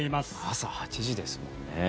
朝８時ですもんね。